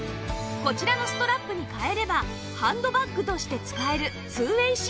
こちらのストラップに替えればハンドバッグとして使える ２ＷＡＹ 仕様なんです